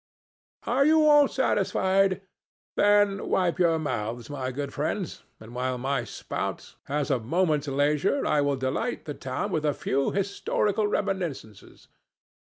Are you all satisfied? Then wipe your mouths, my good friends, and while my spout has a moment's leisure I will delight the town with a few historical remniscences.